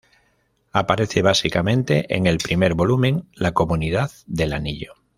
Aparece básicamente en el primer volumen, La Comunidad del Anillo.